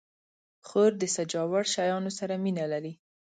خور د سجاوړ شیانو سره مینه لري.